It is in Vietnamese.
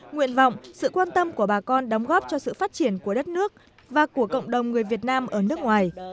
nguyện vọng sự quan tâm của bà con đóng góp cho sự phát triển của đất nước và của cộng đồng người việt nam ở nước ngoài